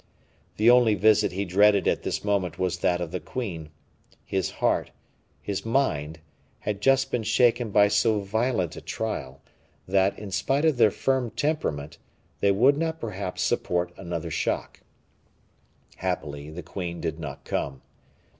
The only visit he dreaded at this moment was that of the queen; his heart his mind had just been shaken by so violent a trial, that, in spite of their firm temperament, they would not, perhaps, support another shock. Happily the queen did not come.